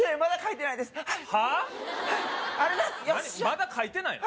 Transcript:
まだ書いてない？